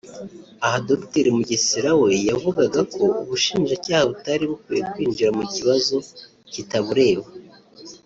Aha Dr Mugesera we yavugaga ko ubushinjacyaha butari bukwiye kwinjira mu kibazo kitabureba